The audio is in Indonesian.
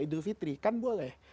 idul fitri kan boleh